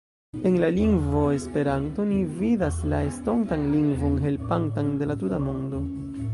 En la lingvo « Esperanto » ni vidas la estontan lingvon helpantan de la tuta mondo.